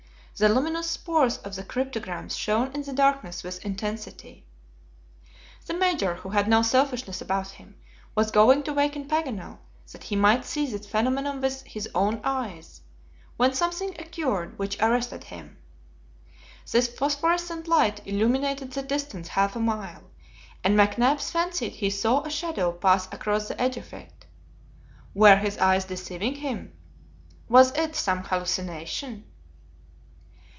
The luminous spores of the cryptograms shone in the darkness with intensity. The Major, who had no selfishness about him, was going to waken Paganel, that he might see this phenomenon with his own eyes, when something occurred which arrested him. This phosphorescent light illumined the distance half a mile, and McNabbs fancied he saw a shadow pass across the edge of it. Were his eyes deceiving him? Was it some hallucination?